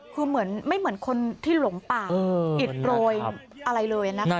คือเหมือนไม่เหมือนคนที่หลงป่าอิดโรยอะไรเลยนะคะ